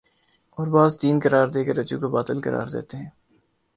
اور بعض تین قرار دے کررجوع کو باطل قرار دیتے ہیں